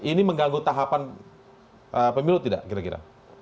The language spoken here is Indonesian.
ini mengganggu tahapan pemilu tidak kira kira